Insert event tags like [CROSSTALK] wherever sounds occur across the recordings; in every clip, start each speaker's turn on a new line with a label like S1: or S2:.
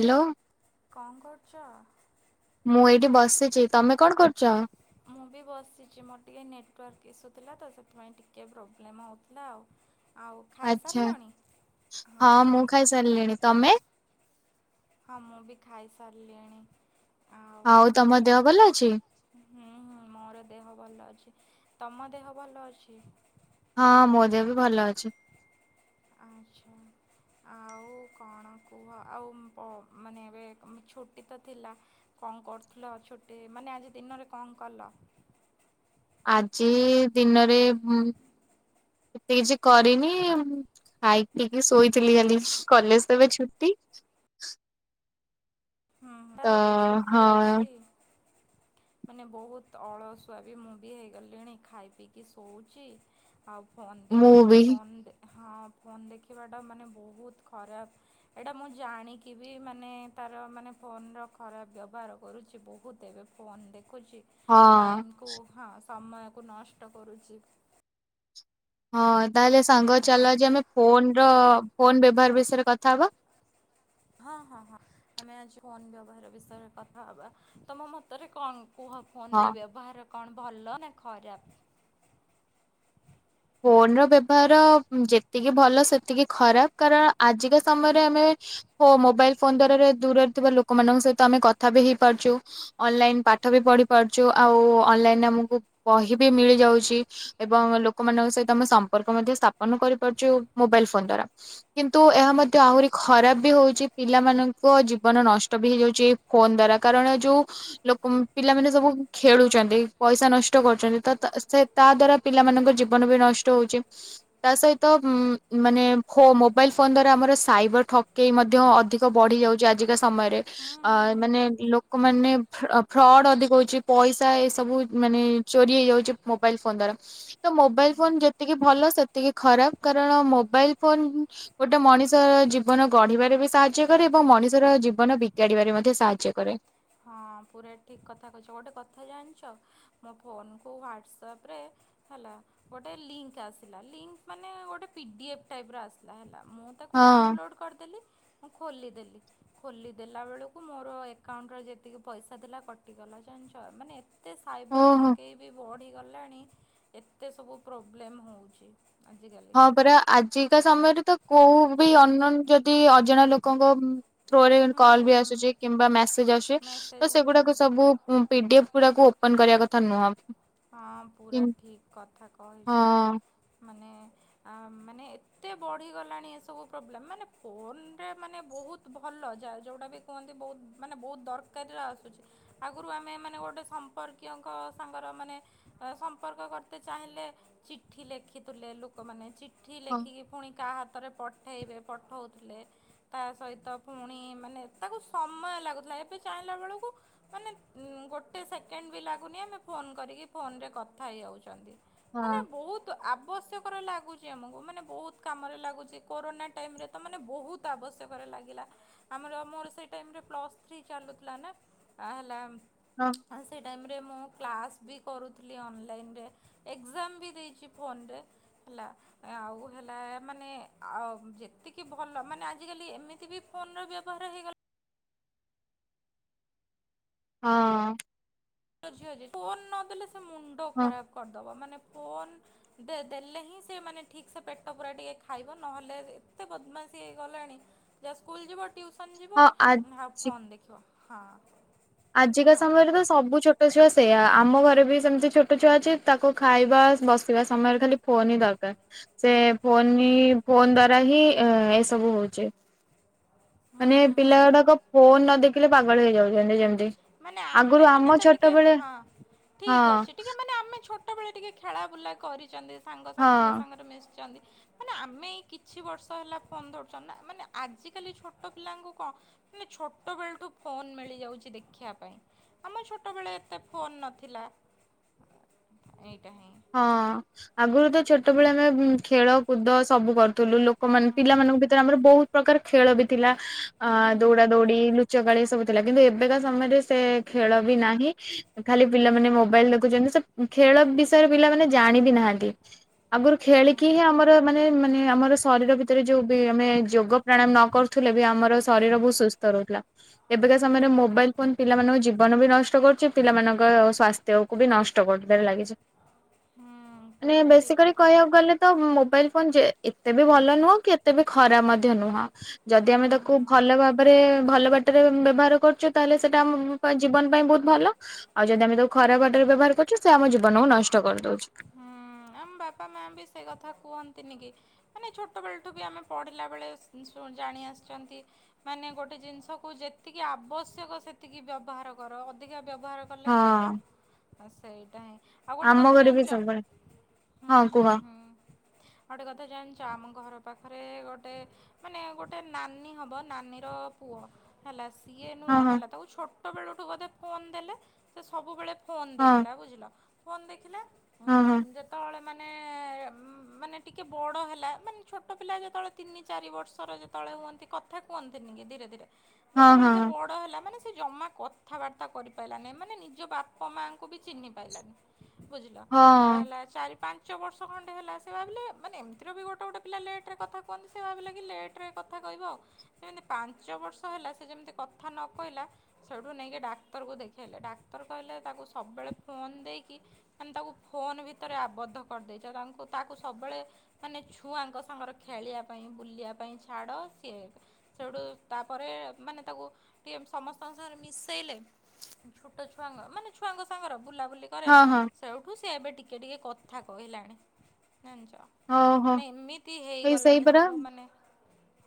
S1: Hello.
S2: କଣ କରୁଚ?
S1: ମୁଁ ଏଇଟି ବସିଚି ତମେ କଣ କରୁଚ?
S2: ମୁଁ ବି ବସିଛି ମୋର ଟିକେ ନେଟୱାର୍କ ଇସ୍ୟୁ ଥିଲା ତ ସେଥିପାଇଁ ଟିକେ ପ୍ରୋବ୍ଲେମ୍ ହଉଥିଲା ଆଉ। ଆଉ
S1: ଆଛା
S2: ଖାଇସାରିଲଣି?
S1: ହଁ ମୁଁ ଖାଇ ସାରିଲିଣି ତମେ?
S2: ହଁ ମୁଁ ବି ଖାଇସାରିଲିଣି। ଆଉ
S1: ହଉ ତମ ଦେହ ଭଲ ଅଛି?
S2: ହୁଁ ହୁଁ ମୋର ଦେହ ଭଲ ଅଛି ତମ ଦେହ ଭଲ ଅଛି।
S1: ହଁ ମୋ ଦେହ ବି ଭଲ ଅଛି।
S2: ଆଚ୍ଛା ଆଉ କଣ କୁହ ଆଉ ମାନେ ଏବେ ଛୁଟି ତ ଥିଲା କଣ କରୁଥୁଲ ଛୁଟି ମାନେ ଆଜି ଦିନରେ କଣ କଲ।
S1: ଆଜି ଦିନରେ ଏତେ କିଛି କରିନି ଖାଇକିି ପିଇକି ଶୋଇଥିଲି କାଲି କଲେଜ ତ ଏବେ ଛୁଟି।
S2: ହଁ ପା
S1: ତ
S2: ଏବେ ଛୁଟି
S1: ହଁ
S2: ଅଛି। ମାନେ ବହୁତ ଅଳସୁଆ ବି ମୁଁ ବି ହେଇଗଲିଣି ଖାଇ ପିଇକି ଶୋଉଚି। ଆଉ ଫୋନ୍
S1: ମୁଁ
S2: ଦେଖୁଛି
S1: ବି
S2: ଫୋନ୍ ଦେ ହଁ ଫୋନ୍ ଦେଖିବାଟା ମାନେ ବହୁତ ଖରାପ ଏଇଟା ମୁଁ ଜାଣିକି ବି ମାନେ ତାର ମା ମାନେ ଫୋନର ଖରାପ ବ୍ୟବହାର କରୁଚି ବହୁତ ଏବେ ଫୋନ ଦେ ଖୁଚି
S1: ହଁ।
S2: ଟାଇମକୁ ହଁ। ସମୟକୁ ନଷ୍ଟ କରୁଚି।
S1: ହଁ ତାହେଲେ ସାଙ୍ଗ
S2: ହଁ
S1: ଚାଲ ଆଜି ଆମେ ଫୋନର ଫୋନ ବ୍ୟବହାର ବିଷୟରେ କଥା ହବା।
S2: ହଁ ହଁ ହଁ ଆମେ ଆଜି ଫୋନ ବ୍ୟବହାର ବିଷୟରେ କଥା ହବା। ତମ ମତରେ କଣ? କୁହ
S1: ହଁ
S2: ଫୋନର ବ୍ୟବହାର କଣ ଭଲ ନା ଖରାପ?
S1: ଫୋନର ବ୍ୟବହାର ଯେତିକି ଭଲ ସେତିକି ଖରାପ। କାରଣ ଆଜିକା ସମୟରେ ଆମେ ମୋବାଇଲ ଫୋନ ଦ୍ଵାରା ଦୂରରେ ଥିବା ଲୋକମାନଙ୍କ ସହିତ ଆମେ କଥା ବି ହେଇପାରୁଚୁ, ଅନଲାଇନ ପାଠ ବି ପଢ଼ିପାରୁଚୁ, ଆଉ ଅନଲାଇନଲେ ଆମକୁ ବହି ବି ମିଳିଯାଉଚି ଏବଂ ଲୋକ କମାନଙ୍କ ସହିତ ଆମ ସମ୍ପର୍କ ମଧ୍ୟ ସ୍ଥାପନ କରିପାରୁଚୁ ମୋବାଇଲ ଫୋନ ଦ୍ଵାରା। କିନ୍ତୁ ଏହା ମଧ୍ୟ ଆହୁରି ଖରାପ ବି ହଉଚି, ପିଲାମାନଙ୍କ ଜୀବନ ନଷ୍ଟ ବି ହେଇଯାଉଚି ଏ ଫୋନ ଦ୍ଵାରା। କାରଣ ଯୋଉ ଲୋକ ପିଲାମାନେ ସବୁ ଖେଳୁଛନ୍ତି, ପଇସା ନଷ୍ଟ କରୁଛନ୍ତି, ତତ ସେ ତା ଦ୍ଵାରା ପିଲାମାନଙ୍କ ଜୀ ବନ ବି ନଷ୍ଟ ହୋଉଚି। ତା ସହିତ ଉମ ମାନେ ଖୋ ମୋବାଇଲ ଫୋନ ଦ୍ଵାରା ଆମର ସାଇବର ଠକେଇ ମଧ୍ୟ ଅଧିକ ବଢି ଯାଉଛି ଆଜିକା ସମୟରେ।
S2: ହୁଁ ହୁଁ
S1: ମାନେ
S2: ହୁଁ।
S1: ଲୋକମାନେ ଫ୍ର ଫ୍ରଡ ଅଧିକ ହଉଛି। ପଇସା ଏସବୁ ମାନେ ଚୋରି ହେଇଯାଉଛି ମୋବାଇଲ ଫୋନ ଦ୍ଵାରା ତ ମୋ ବାଇଲ ଫୋନ ଯେତିକି ଭଲ ସେତିକି ଖରାପ। କାରଣ ମୋବାଇଲ ଫୋନ ଗୋଟେ ମଣିଷର ଜୀବନ ଗଢ଼ିବାରେ ବି ସାହାଯ୍ୟ କରେ ଏବଂ ମଣିଷର ଜୀବନ ବିଗାଡ଼ିବାରେ ମଧ୍ୟ ସାହାଯ୍ୟ କରେ।
S2: ହଁ ପୁରା ଠିକ୍ କଥା କଇଚ। ଗୋଟେ କଥା ଜାଣଚ ମୋ ଫୋନକୁ ହ୍ଵାଟ୍ସଆପ ରେ ହେଲା ଗୋଟେ ଲିଙ୍କ ଆସିଲା। ଲିଙ୍କ ମାନେ ଗୋଟେ ପିଡ଼ିଏଫ୍ ଟାଇପର ଆସିଲା। ହେଲା। ମୁଁ ତାକୁ
S1: ହଁ।
S2: ଡାଉନଲୋଡ଼୍ କରିଦେଲି ମୁଁ ଖୋଲିଦେଲି ଖୋଲିଦେଲା ବେଳକୁ ମୋର ଏକାଉଣ୍ଟ୍ ର ଯେତିକି ପଇସା ଥିଲା କଟିଗଲା ଜାଣିଛ ମାନେ ଏତେ ସାଇବର
S1: ଓହୋ।
S2: ଠକେଇ ବି ବଢ଼ିଗଲାଣି ଏତେ ସବୁ ପ୍ରୋବ୍ଲେମ୍ ହଉଛି
S1: ହଁ ପରା ଆଜିକା ସମୟରେ ତ କୋଉ ବି ଅନ୍ୱନ ଯଦି ଅଜଣା ଲୋକଙ୍କ ଥ୍ରୋରେ
S2: ହୁଁ
S1: କଲ୍ ବି ଆସୁଛି କିମ୍ବା ମେସେଜ ଆସୁଛି ତ
S2: ମେସେଜ୍ ହଁ
S1: ସେଗୁଡାକୁ ସବୁ ପିଡିଏଫ୍ ଗୁଡାକୁ ଓପନ କରିବା କଥା ନୁହଁ
S2: ହଁ ପୁରା
S1: କିନ୍
S2: ଠିକ୍ କଥା
S1: ହଁ
S2: କହିଛ ମାନେ ମାନେ ଏତେ ବଢ଼ିଗଲାଣି ଏସବୁ ପ୍ରୋବ୍ଲେମ୍ ମାନେ ଫୋନରେ ମାନେ ବହୁତ ଭଲ ଯା ଯେଉଁଟା ବି କୁହନ୍ତି ବହୁତ ମାନେ ବହୁତ ଦରକାରୀରେ ଆସୁଛି ଆଗରୁ ଆମେ ମାନେ ଗୋଟେ ସମ୍ପର୍କୀୟଙ୍କ ସାଙ୍ଗରେ ମାନେ- ସମ୍ପର୍କ କରତେ ଚାହିଁଲେ ଚିଠି ଲେଖିଥୁଲେ ଲୋକମାନେ ଚିଠି
S1: ହଁ
S2: ଲେଖିକି ପୁଣି କାହା ହାତରେ ପଠେଇବେ ପଠଉଥିଲେ ତା ସହିତ ପୁଣି ମାନେ ତାକୁ ସମୟ ଲାଗୁଥିଲା ଏବେ ଚାହିଁଲା ବେଳକୁ ମାନେ ଗୋଟେ ସେକେଣ୍ଡ ବି ଲାଗୁନି ଆମେ ଫୋନ୍ କରିକି କ - ଫୋନରେ କଥା ହେଇଯାଉଛନ୍ତି
S1: ହଁ
S2: ମାନେ ବହୁତ ଆବଶ୍ୟକ ର ଲାଗ- ଲାଗୁଛି ଆମକୁ ମାନେ ବହୁତ କାମରେ ଲାଗୁଛି କୋରୋନା ଟାଇମ୍ ରେ ତ ମାନେ ବହୁତ ଆବଶ୍ୟକରେ ଲାଗିଲା ଆମର ମୋର ସେଇ ଟାଇମେ ପ୍ଲସ୍ ଥ୍ରୀ ଚାଲୁଥିଲା ନା ହେଲା
S1: ହଁ।
S2: ଆଉ ସେଇ ଟାଇମରେ ମୁଁ କ୍ଲାସ୍ ବି କରୁଥିଲି ଅନଲାଇନରେ ଏକ୍ଜାମ ବି ଦେଇଛି ଫୋନରେ ହେଲା ଆଉ ହେଲା ମାନେ ଆଉ ଯେତିକି ଭଲ ମାନେ ଆଜିକାଲି ଏମିତି ବି ଫୋନ୍ ର ବ୍ୟବହାର ହେଇଗଲା
S1: ହଁ
S2: ଆଜିକାଲି ଫୋନ ନଦେଲେ ସେ ମୁଣ୍ଡ
S1: ହଁ
S2: ଖରାପ କରିଦବ ମାନେ ଫୋନ ଦେଲେ ହିଁ ସେ ମାନେ ଠିକ୍ ସେ ପେଟ ପୂରା ଟିକେ ଖାଇବ ନହେଲେ ଏତେ ବଦମାସି ହେଇ ଗଲାଣି ଯା ସ୍କୁଲ ଯିବ ଟିଉସନ୍ ଯିବ
S1: ହଁ ଆଜି
S2: ଆଉ ଫୋନ୍ ଦେଖିବ ହଁ
S1: ଆଜିକା
S2: କୁହ
S1: ସମୟରେ ତ ସବୁ ଛୋଟ ଛୋଟ ଛୁଆ ସେଇଆ ଆମ ଘରେ ବି ସେମିତି ଛୋଟ ଛୁଆ ଅଛି ତାକୁ ଖାଇବା ବସିବା ସମୟରେ ଖାଲି ଫୋନ ହି ଦରକାର ସେ ଫୋନ ଫୋନ ଦ୍ଵାରା ହିଁ ଏସବୁ ହଉଛି
S2: ହୁଁ
S1: ମାନେ
S2: ହୁଁ
S1: ପିଲା ଗୁଡାକ ଫୋନ ନ ଦେଖିଲେ ପାଗଳ ହେଇଯାଉଛନ୍ତି ଯେମତି
S2: ମାନେ ଆମେ ମାନେ ତ ଟିକେ ହଁ
S1: ହଁ
S2: ଠିକ ଅଛି ଟିକେ ମାନେ ଆମେ ଛୋଟ ସେତେବେଳେ ଟିକେ ଖେଳା ବୁଲା କରିଛନ୍ତି
S1: ହଁ।
S2: ସାଙ୍ଗସାଥିଙ୍କ ସାଙ୍ଗରେ ମିଶିଛନ୍ତି ମାନେ ଆମେ ଏଇ କିଛି ବର୍ଷ ହେଲା ଫୋନ ଧରୁଛ ନା ମାନେ ଆଜିକାଲି ଛୋଟ ପିଲାଙ୍କୁ କଣ ମାନେ ଛୋଟ ବେଳଠୁ ଫୋନ ମିଳିଯାଉଛି ଦେଖ ଦେଖିବା ପାଇଁ ଆମ ଛୋଟବେଳେ ଏତେ ଫୋନ ନଥିଲା ଏଇଟା ହିଁ
S1: ହଁ ଆଗରୁ ତ ଛୋଟବେଳେ ଆମେ ଖେଳ କୁଦ ସବୁ କରୁ ଥିଲୁ ଲୋକମାନେ
S2: ହୁଁ
S1: ପିଲାମାନଙ୍କ ଭିତରେ ଆମର ବହୁତ ପ୍ରକାର ଖେଳ ବି ଥିଲା ଅ
S2: ହୁଁ ହୁଁ
S1: ଦୌଡା ଦୌଡି ଲୁଚକାଳି ସବୁ ଥିଲା କିନ୍ତୁ ଏବେକା ସମୟରେ ସେ ଖେଳ ବି ପିଲାମାନେ ଜାଣିବି ବି ନାହାନ୍ତି ଆଗରୁ
S2: ହୁଁ।
S1: ଖେଳିକି ହିଁ ଆମର ମାନେ ମାନେ ଆମର ଶରୀର ଭିତରେ ଯୋଉ ବି ଆମେ ଯୋଗ ପ୍ରାଣାୟାମ ନ କରୁଥିଲେ ବି ଆମର ଶରୀର ବହୁତ ସୁସ୍ଥ ରହୁଥିଲା ଏବେକା ସମୟରେ ମୋବାଇଲ ଫୋନ ପିଲାମାନଙ୍କ ଜୀବନ ବି ନଷ୍ଟ କରୁଛି ପିଲାମାନଙ୍କ ସ୍ୱାସ୍ଥ୍ୟକୁ ବି ନଷ୍ଟ କରିବାରେ ଲାଗିଛି।
S2: ହୁଁ ହୁଁ ପୁରା ଠିକ୍
S1: ମାନେବେସିକାଲି
S2: କଥା
S1: କହିବାକୁ
S2: କହିଛ
S1: ଗଲେ ତ ମୋବାଇଲ ଫୋନ ଯେ ଏତେ ବି ଭଲ ନୁହଁ କି ଏତେ ବି ଖରାପ ମଧ୍ୟ ନୁହଁ। ଯଦି
S2: ହୁଁ
S1: ଆମେ ତାକୁ
S2: ହୁଁ।
S1: ଭଲ ଭାବରେ ଭଲ ବାଟରେ ବ୍ୟବହାର କରୁଛୁ। ତାହେଲେ ସେଇଟାମ ଜୀବନ ପାଇଁ ବହୁତ ଭଲ ଆଉ ଯଦି ଆମେ ତାକୁ ଖରାପ ବାଟରେ ବ୍ୟବହାର କରୁଛୁ ସେ ଆମ ଜୀବନକୁ ନଷ୍ଟ ଷ୍ଟ କରିଦଉଛି।
S2: ହୁଁ ଆମ ବାପା ମା ବି ସେଇ କଥା କୁହନ୍ତି। ଦତିନିକି ମାନେ ଛୋଟବେଳଠୁ ବି ଆମେ ପଢ଼ିଲା ବେଳେ ଜାଣି ଆସିଛନ୍ତି ମାନେ ଗୋଟେ ଜିନିଷକୁ ଯେତିକି ଆବଶ୍ୟକ ସେତିକି ବ୍ୟବହାର କର ଅଧିକା ବ୍ୟବହାର କଲେ
S1: ହଁ।
S2: ଖରାପ ସେଇଟା ହିଁ ଆଉ ଗୋଟେ
S1: ଆମ
S2: କଥା
S1: ଘରେ ବି
S2: ଜାଣି ଗଟେ
S1: ସବୁବେଳେ ହଁ କୁହ
S2: କଥା ଜାଣିଛ ଆମ ଘର ତା ପାଖରେ ଗୋଟେ ମାନେ ଗୋଟେ ନାନୀ ହେବ ନାନୀର ପୁଅ ହେଲା। ସିଏ
S1: ହଁ
S2: ନୁହଁ
S1: ହଁ
S2: ହେଲା ତାକୁ ଛୋଟବେଳଠୁ ବୋଧେ ଫୋନ ଦେଲେ ସେ ସବୁବେଳେ ଫୋନ
S1: ହଁ
S2: ଦେଖିଲା ବୁଝିଲ ଫୋନ୍ ଦେଖିଲା। ହଁ ଯେତେବେଳେ ମାନ ମାନେ ମାନେ ଟିକିେ ବଡ଼ ହେଲା ମାନେ ଛୋଟ ପିଲା ଯେତେବେଳେ ତିନି ଚାରି ବର୍ଷର ଯେତେବେଳେ ହୁଅନ୍ତି କଥା କୁହନ୍ତିନି କି ଧୀରେ ଧୀରେ
S1: ହଁ
S2: ଯେତେବେଳେ
S1: ହଁ
S2: ସେ ବଡ ହେଲା ମାନେ ଜମା କଥାବାର୍ତ୍ତା କରିପାରଲାନି ମାନେ ନିଜ ବାପା ମାଙ୍କୁ ବି ଚିହ୍ନି ପାଇଲାନି ବୁଝିଲ ହଁ ହେଲା ଚାରି ପାଞ୍ଚ ପାଞ୍ଚ ବର୍ଷ ଖଣ୍ଡେ ହେଲା ସେ ଭାବିଲେ ମାନେ ଏମିତିର ବି ଗୋଟେ ଗୋଟେ ପିଲା ଲେଟ୍ରେ କଥା କୁହନ୍ତି ସେ ଭାବିଲେ କି ଲେଟ୍ରେ କଥା କହିବ ଆଉ ଯେମିତି ପାଞ୍ଚ ବର୍ଷ ହେଲା ସେ ଯେମିତି କଥା ନ କହିଲା ସେଇଠୁ ନେଇକି ଡାକ୍ତରକୁ ଦେଖାଇଲେ ଡାକ୍ତର କହିଲେ ତାକୁ ସବୁବେଳେ ଫୋନ୍ ଦେଇକି ମାନେ ତାକୁ ଫୋନ୍ ଭିତରେ ଆବଦ୍ଧ କରିଦେଇଛ ତାଙ୍କୁ ତାକୁ ସବୁବେଳେ ମାନେ ଛୁଆଙ୍କ ସାଙ୍ଗରେ ଖେଳିବା ପାଇଁ ବୁଲିବା ପାଇଁ ଛାଡ଼ ସିଏ ସେଠୁ ତାପରେ ମାନେ ତାକୁ ଟିକଏ ସମସ୍ତଙ୍କ ସାଙ୍ଗରେ ମିଶାଇଲେ ଛୋଟ ଛୁଆଙ୍କ ମାନେ ଛୁଆଙ୍କ ସାଙ୍ଗର ବୁଲାବୁଲି କରେଲି
S1: ହଁ ହଁ
S2: ସେଠ ସେ ଏବେ ଟିକେ ଟିକେ କଥା କହିଲାଣି। ଜଣିଛ
S1: ଓହୋ
S2: ମାନେ ଏମିତି
S1: ଏଇ ସେଇ
S2: ହେଇଗଲାଣି
S1: ପରା
S2: ସବୁ ମାନେ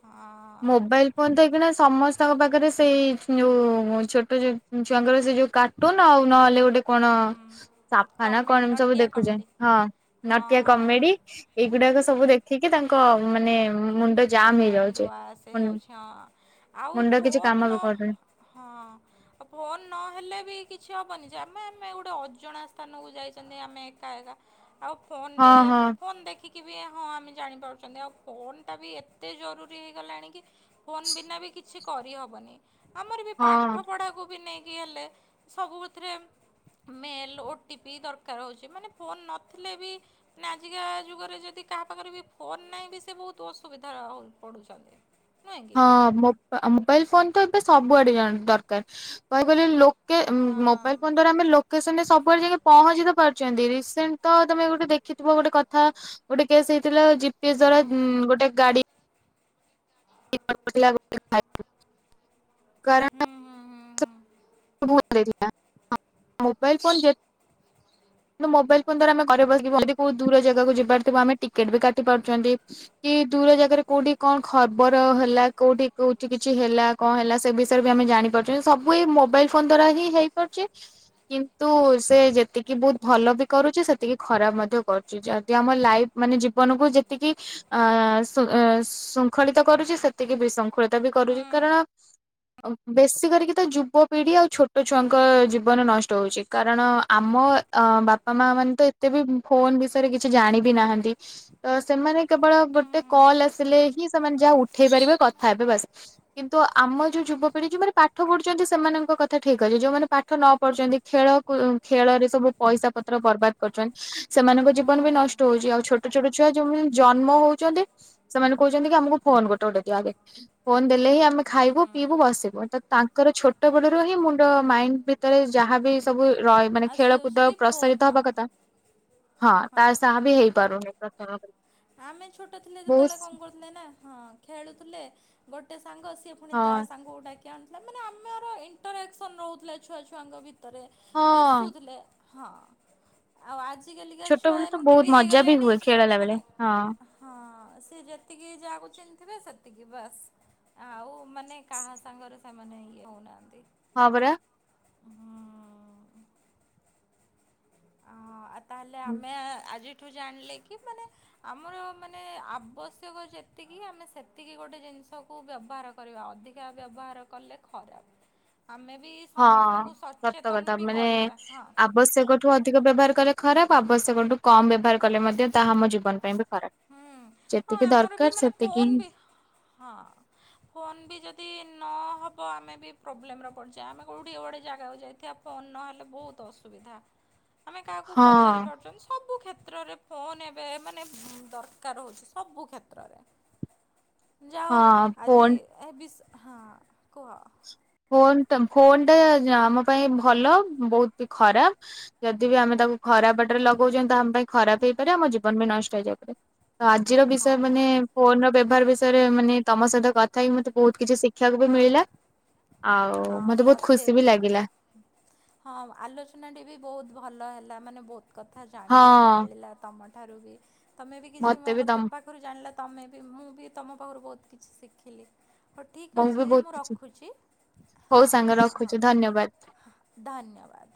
S2: ହଁ
S1: ମୋବାଇଲ ଫୋନ ତଇକନା ସମସ୍ତଙ୍କ ପାଖରେ ସେଇ ଯୋଉ ଛୋଟ ଛୁଆଙ୍କର ସେ ଯୋଉ କାର୍ଟୁନ ଆଉ ନହେଲେ ଗୋଟେ କଣ
S2: ହୁଁ
S1: ସାଫାନ
S2: କମେଡ଼ି
S1: କଣ ସବୁ
S2: ନଟିଆ
S1: ଦେଖୁଛେ
S2: କମେଡ଼ି
S1: ହଁ
S2: ହଁ
S1: ନଟିଆ କମେଡି
S2: ହଁ।
S1: ଏଇଗୁଡାକ ସବୁ ଦେଖିକି ତାଙ୍କ ମାନେ ମୁଣ୍ଡ ଜାମ୍ ହେଇଯାଉଛି।
S2: ସେ ହଉଛି ହଁ ଆଉ
S1: ମୁଣ୍ଡ କିଛି
S2: ଫୋନ
S1: କାମ
S2: ନ
S1: ବି କରୁନି
S2: ହଁ ଫୋନ ନହେଲେ ବି କିଛି କିଛି ହବନି ଯେ ଆମେ ଆମେ ଗୋଟେ ଅଜଣା ସ୍ଥାନକୁ ଯାଇଛନ୍ତି ଆମେ ଏକା ଏକା ଆଉ ଫୋନ
S1: ହଁ ହଁ
S2: ଫୋନ୍ ଦେଖିକି ବି ହଁ ଆମେ ଜାଣିପାରୁଛନ୍ତି ଆଉ ଫୋନ ବି ଏ ଏତେ ଜରୁରୀ ହେଇ ଗଲାଣି କି ଫୋନ୍ ବିନା ବି କିଛି କରିହବନି। ଆମର ବି
S1: ହଁ।
S2: ପାଠ ପଢାକୁ ବି ନେଇକି ହେଲେ ସବୁଥିରେ ମେଲ ଓ ଟି ପି ଦରକାର ହଉଚି, ମାନେ ଫୋନ ନଥିଲେ ବି ମାନେ ଆଜିକା ଯୁଗରେ ଯଦି କାହା ପାଖରେ ବି ଫୋନ ନାହିଁ ବି ସେ ବହୁତ ଅସୁବିଧା ଧରା ପଡୁଚନ୍ତି।
S1: ହଁ ମୋବାଇଲ ଫୋନ ତ ଏବେ ସବୁଆଡେ ଦରକାର କ କିଲ ଲୋକ
S2: ହଁ
S1: ମୋବାଇଲ ଫୋନ ଆମେ ଲୋକସନ ସବୁ ଉପ ଯାଇକ ପହଞ୍ଚି ପାରୁଛନ୍ତି ରିସେଣ୍ଟ ତ ତମେ ଗୋଟେ ଦେଖିଥିବ ଗୋଟେ କଥା ଗୋଟେ କେସ୍ ହେଇଥିଲା ସେ ଦ୍ଵାରା
S2: ହୁଁ
S1: ଗୋଟେ ଗାଡି [INAUDIBLE] କଣ
S2: ହୁଁ ହୁଁ ହୁଁ
S1: ଭ
S2: ହୁଁ।
S1: ମୋବାଇଲ ଫୋ ମୋବାଇଲ ଫୋନ ଦ୍ଵାରା ଆମେ ଘରେ ଯି କୋଉ ଦୂର ଜାଗାକୁ ଯିବାର ଥିବ ଆମେ ଟିକେଟ ବି କାଟି ପାରୁଛନ୍ତି କି ଦୂର ଜାଗାରେ କୋଉଠି କଣ ଖବର ହେଲା କୋଉଠି କୋଉଠି କିଛି ହେଲା କଣ ହେଲା ସେ ବିଷୟରେ ବି ଆମେ ଜାଣିପାରୁଛୁ ସବୁ ଏ ମୋବାଇଲ ଫୋନ ଦ୍ଵାରା ହିଁ ହେଇପାରୁଛି କିନ୍ତୁ ସେ ଯେତିକି ବହୁତ ଭଲ ବି କରୁଛି ସେତିକି ଖରାପ ମଧ୍ୟ କରୁଛି ଯଦି ଆମ ଲାଇଫ ମାନେ ଜୀବନକୁ ଯେତିକି ଶୃଙ୍ଖଳିତ କରୁଛି ସେତିକି ବିଶୃଙ୍ଖଳିତ ବି କରୁଛି କାରଣ ବେଶୀ କରିକି ତ ଯୁବପିଢି ଆଉ ଛୋଟ ଛୁଆଙ୍କ ଜୀବନ ନଷ୍ଟ ହଉଛି କାରଣ ଆମ ବାପା ମା ମାନେ ତ ଏତେ ବି ଫୋନ ଜାଣ ବିି ନାହାତୀ ସେମାନେ କେବଳ ଗୋଟେ କଲ ଆସିଲେ ସେମାନେ ଯାହା ଉଠେଇ ପାରିବେ କଥା ହେବେ ବାସ କିନ୍ତୁ ଆମ ଯୋଉ ଯୁବପିଢି ଯୋଉମାନେ ପାଠ ପଢୁଛନ୍ତି ସେମାନଙ୍କ କଥା ଠିକ୍ ଅଛି ଯୋଉମାନେ ପାଠ ନ ପଢୁଛନ୍ତି ଖେଳ ଖେଳରେ ସବୁ ପଇସା ପତ୍ର ବର୍ବାଦ କରୁଛନ୍ତି। ସେମାନଙ୍କ
S2: ହଁ
S1: ଜୀବନ ବି ନଷ୍ଟ ହଉଚି ଆଉ ଛୋଟ ଛୋଟ ଛୋଟ ଛୁଆ ଯୋଉମାନେ ଜନ୍ମ ହଉଛନ୍ତି ସେମାନେ କହୁଛନ୍ତି କି ଆମକୁ ଫୋନ୍ ଗୋଟେ ଗୋଟେ ଦିଅ ଆଗେ ଫୋନ୍ ଦେଲେ ହିଁ ଆମେ
S2: ହୁଁ
S1: ଖାଇବୁ
S2: ହୁଁ
S1: ପିଇବୁ ବସିବୁ ତ ତାଙ୍କର ଛୋଟ ବେଳରୁ ହିଁ ମୁଣ୍ଡ ମାଇଣ୍ଡ ଭିତରେ ଯାହାବି ସବୁ ରହ ମାନେ
S2: ଆଉ ସେ ହେଉଛି
S1: ଖେଳକୁଦ
S2: କି ଫୋନ୍
S1: ପ୍ରସାରିତ ହବା
S2: ହଁ।
S1: କଥା, ହଁ ତା ସାହା ବି ହେଇପାରୁନି। [UNINTELLIGIBLE]
S2: ଆମେ ଛୋଟ ଥିଲେ ଯେତେବେଳେ
S1: ବହୁତ
S2: କଣ କରୁ? ନା ହଁ ଖେଳୁଥିଲେ, ଗୋଟେ। ସାଙ୍ଗ ଆସିବେ ପୁଣି ତା
S1: ହଁ
S2: ସାଙ୍ଗ କୁ ଡାକି ଥିଲା ମାନେ ଆମର ଇଣ୍ଟରାକ୍ସନ ନଉଥିଲେ ଛୁଆ ଛୁଆଙ୍କ ଭି ତରେ
S1: ହଁ
S2: ମିସୁଥିଲେ। ହଁ ଆଉ ଆଜି ଆଜିକାଲିକା ଛୁଆ
S1: ଛୋଟବେଳେ ତ
S2: ଏମିତି
S1: ବହୁତ
S2: ବି
S1: ମଜା
S2: ହେଇଗଲେଣି
S1: ହୁଏ ଖେଳିଲା ବେଳେ
S2: ମାନେ
S1: ହଁ।
S2: ସି ଯେତିକି ଯାହାକୁ ଚିହ୍ନିଥିବେ, ସେତିକି ବାସ୍ ଆଉ ମାନେ କାହା ସାଙ୍ଗରେ ସେମାନେ ଇଏ ହେଉନାହାନ୍ତି।
S1: ହଁ ପରା
S2: ହଁ। ଅ। ତାହେଲେ ଆମେ ଆଜିଠୁ ଜାଣିଲେ କି ମାନେ ଆମର ମାନେ ଆବଶ୍ୟକ ଯେତିକି ଆମେ ସେତିକି ଗୋଟେ ଜିନିଷକୁ ବ୍ୟବହାର କରିବା ଅଧିକା ବ୍ୟବହାର କଲେ ଖରାପ। ଆମେ ବି
S1: ହଁ
S2: ସମସ୍ତଙ୍କୁ
S1: ସତକଥା
S2: ସଚେତନ ବି
S1: ମାନେ
S2: କରିବା ହଁ
S1: ଆବଶ୍ୟକଠୁ ଅଧିକ ବ୍ୟବହାର କଲେ ଖରାପ ଆବଶ୍ୟକଠୁ କମ୍ ବ୍ୟବହାର କଲେ ମଧ୍ୟ ତାହା ଆମ ଜୀବନ ପାଇଁ ବି ଖରାପ
S2: ହୁଁ ହଁ
S1: ଯେତିକି
S2: ଆମର ବି
S1: ଦରକାର
S2: ମାନେ
S1: ସେତିକି
S2: ଫୋନ୍
S1: ହିଁ।
S2: ବି ନହେବ ଆମେ ବି ପ୍ରୋବ୍ଲେମରେ ପଡ଼ିଯିବା। ଆମେ କେଉଁଠି ଗୋଟେ ଜାଗାକୁ ଯାଇଥିବା ଫୋନ୍ ନହେଲେ ବହୁତ ଅସୁବିଧା। ଆମେ କାହାକୁ
S1: ହଁ
S2: ପଚାରି ପାରୁଛନ୍ତି ସବୁ କ୍ଷେତ୍ରରେ ଫୋନ ଏ ମାନେ ଦରକାର ହେଉଛି ସବୁ କ୍ଷେତ୍ରରେ ଯାା ହୋଉ
S1: ହଁ
S2: ଆଜି
S1: ଫୋନ
S2: ଏ ବି ହଁ କୁହ।
S1: ଫୋନ ଟା ଫୋନ ଟା ଆମ ପାଇଁ ଭଲ ବହୁତ ବି ଖରାପ ଯଦି ବି ଆମେ ତାକୁ ଖରାପ ବାଟରେ ଲଗାଉଛନ୍ତି ତ ଆମ ପାଇଁ ଖରାପ ହେଇପାରେ। ଆମ ଜୀବନ ବି ନଷ୍ଟ [UNINTELLIGIBLE] ତ ଆଜିର
S2: ହଁ
S1: ବିଷୟ ମାନେ ଫୋନ ର ବ୍ୟବହାର ବିଷୟରେ ମାନେ ତମ ସେଇଟା ତଥାପି ମତେ ବହୁତ କିଛି ଶିଖିବାକୁ ବି
S2: ହଁ।
S1: ମିଳିଲା।
S2: ହଁ
S1: ଆଉ ବହୁତ
S2: ମତେ
S1: ଖୁସି
S2: ବି
S1: ଲାଗିଲା
S2: ହଁ ଆଲୋଚନାଟି ବି ବହୁତ ଭଲ ହେ [UNINTELLIGIBLE] କଥା ଜାଣିବାକୁ
S1: ହଁ
S2: ମିଳିଲା ତମ [UNINTELLIGIBLE] ତମେ ବି କିଛି
S1: ମତେ
S2: ମୋ
S1: ବି
S2: କତି
S1: ତମ
S2: ପାଖରୁ ଜାଣିଲ ତମେ ବି ମୁଁ ବି ତମ ପରୁ ବହୁତ କିଛି ଶିଖିଲି। ହଉ ଠିକ୍
S1: ବି
S2: ଅଛି
S1: ବହୁତ
S2: ମୁଁ
S1: କିଛି
S2: ରଖୁଛି।
S1: ହଉ
S2: ହଁ
S1: ସାଙ୍ଗ
S2: ହଁ ହଁ
S1: ରଖୁଛି ଧନ୍ୟବାଦ।
S2: ହଁ ଧନ୍ୟବାଦ।